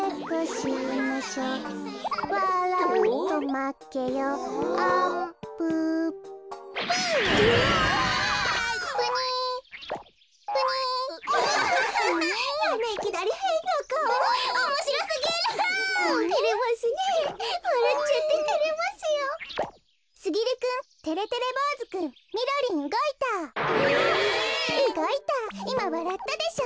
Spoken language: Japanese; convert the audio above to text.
うごいたいまわらったでしょ？